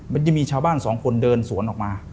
มันจะมีชาวบ้านสองคนเดินสวนออกมา